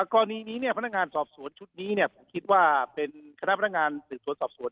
กรณีนี้พนักงานสอบสวนชุดนี้ผมคิดว่าเป็นคณะพนักงานสืบสวนสอบสวน